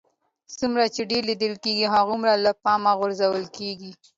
څومره چې ډېر لیدل کېږئ هغومره له پامه غورځول کېږئ